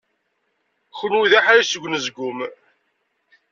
Kenwi d aḥric seg unezgum.